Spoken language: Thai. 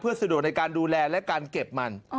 สะดวกในการดูแลและการเก็บมัน